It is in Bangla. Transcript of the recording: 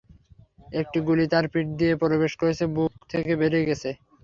একটি গুলি তার পিঠ দিয়ে প্রবেশ করে বুক দিয়ে বেরিয়ে গেছে।